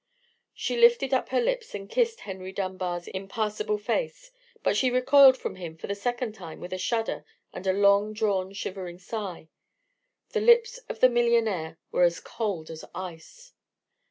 She lifted up her lips and kissed Henry Dunbar's impassible face. But she recoiled from him for the second time with a shudder and a long drawn shivering sigh. The lips of the millionaire were as cold as ice.